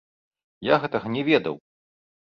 Я гэтага не ведаў!